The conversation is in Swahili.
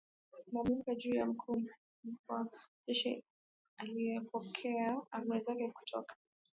mamlaka juu ya mkuu mpya wa jeshi Emil von Zelewski aliyepokea amri zake kutoka